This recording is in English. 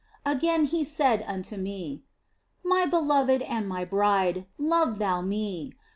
Again He said unto me, " My beloved and My bride, love thou Me